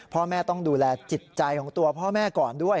พ่อแม่ต้องดูแลจิตใจของตัวพ่อแม่ก่อนด้วย